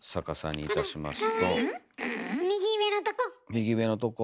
右上のとこ！